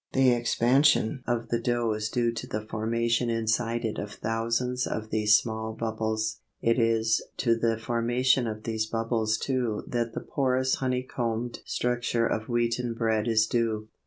The expansion of the dough is due to the formation inside it of thousands of these small bubbles. It is to the formation of these bubbles too that the porous honey combed structure of wheaten bread is due.